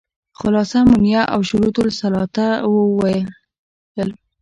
خلاصه مونيه او شروط الصلاة وويل.